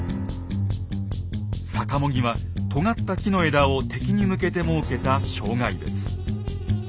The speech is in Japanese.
さかも木はとがった木の枝を敵に向けて設けた障害物。